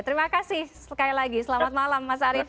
terima kasih sekali lagi selamat malam mas arief